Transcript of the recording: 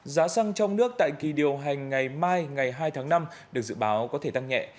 giá xăng trong nước tại kỳ điều hành ngày mai ngày hai tháng năm được dự báo có thể tăng nhẹ